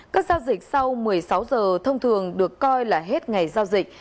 các giao dịch sau một mươi sáu giờ thông thường được coi là hết ngày giao dịch